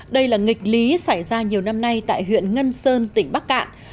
đây là nghịch lý xảy ra nhiều năm nay tại huyện ngân sơn tỉnh bắc cạn